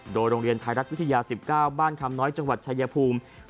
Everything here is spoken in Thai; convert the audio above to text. โดยโรงเรียนไทยรัฐวิทยา๑๙บ้านคำน้อยจังหวัดชายภูมิ